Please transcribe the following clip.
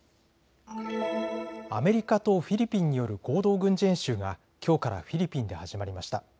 アメリカとフィリピンによる合同軍事演習がきょうからフィリピンで始まりました。